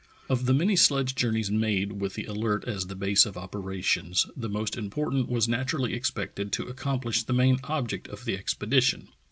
Of the many sledge journeys made with the Alert as the base of operations, the most important was naturally expected to accom plish the main object of the expedition.